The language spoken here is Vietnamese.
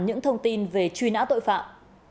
những thông tin về truy nã tội phạm